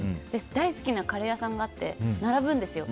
大好きなカレー屋さんがあって並ぶんですよ。